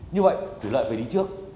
như vậy thủy lợi phải đi trước